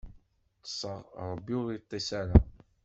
Ṭṭseɣ, Ṛebbi ur iṭṭis ara.